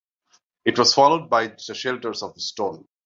It was followed by The Shelters of Stone.